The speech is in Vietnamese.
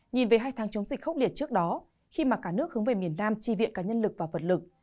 nhìn về hai tháng chống dịch khốc liệt trước đó khi mà cả nước hướng về miền nam tri viện cả nhân lực và vật lực